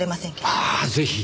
ああぜひ。